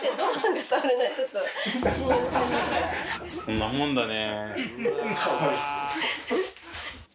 こんなもんだね。